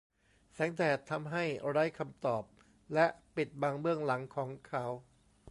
แสงแดดทำให้ไร้คำตอบและปิดบังเบื้องหลังของเขา